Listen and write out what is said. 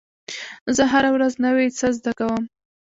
زه هره ورځ نوی څه زده کوم.